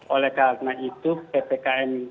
oleh karena itu ppkm